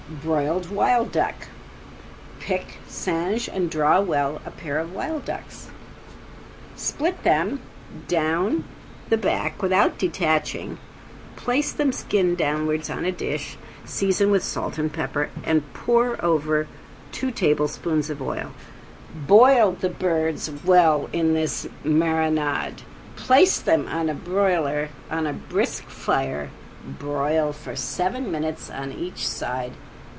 ~BROILED WILD DUCK~ Pick, singe and draw well a pair of wild ducks, split them down the back without detaching, place them skin downwards on a dish, season with salt and pepper and pour over two tablespoons of oil. Boil the birds well in this marinade, place them on a broiler on a brisk fire, broil for seven minutes on each side.